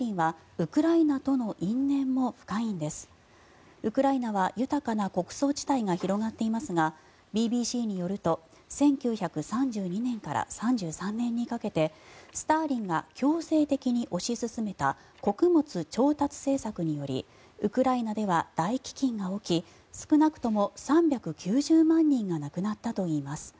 ウクライナは豊かな穀倉地帯が広がっていますがＢＢＣによると１９３２年から３３年にかけてスターリンが強制的に推し進めた穀物調達政策によりウクライナでは大飢きんが起き少なくとも３９０万人が亡くなったといいます。